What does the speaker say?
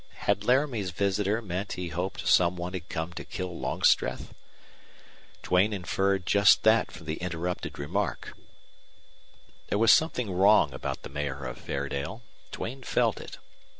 Had Laramie's visitor meant he hoped some one had come to kill Longstreth? Duane inferred just that from the interrupted remark. There was something wrong about the Mayor of Fairdale. Duane felt it.